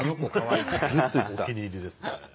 お気に入りですね。